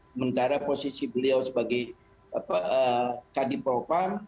sementara posisi beliau sebagai kadif propam